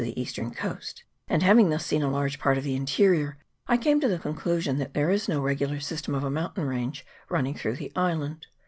403 the eastern coast, and having thus seen a large part of the interior, I came to the conclusion that there is no regular system of a mountain range running through the island.